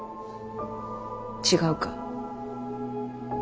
違うか？